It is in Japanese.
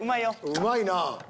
うまいな。